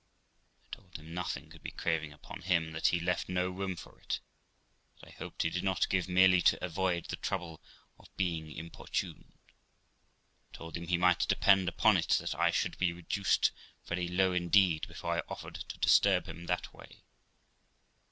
I told him nothing could be craving upon him, that he left no room for it; that I hoped he did not give merely to avoid the trouble of being importuned. I told him he might depend upon it that I should be reduced very low indeed before I offered to disturb him that way.